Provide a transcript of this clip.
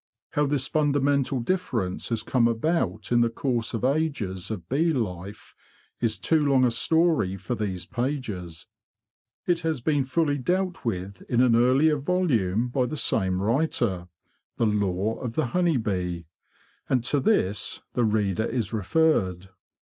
How this fundamental difference has come about in the course of ages of bee life is too long a story for these pages. It has 18 THE BEE MASTER OF WARRILOW been fully dealt with in an earlier volume by the same writer—'' The Lore of the Honey Bee '— and to this the reader is referred.